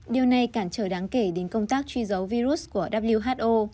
điều này cản trở đáng kể đến công tác truy dấu virus của who